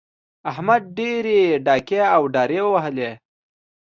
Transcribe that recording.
احمد ډېرې ډاکې او داړې ووهلې.